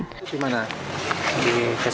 facebook gimana ceritanya kok